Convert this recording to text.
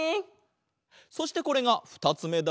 そしてこれがふたつめだ。